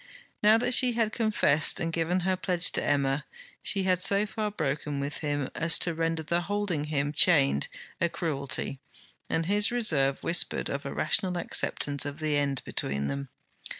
Now that she had confessed and given her pledge to Emma, she had so far broken with him as to render the holding him chained a cruelty, and his reserve whispered of a rational acceptance of the end between them.